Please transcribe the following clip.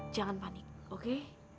jangan panik oke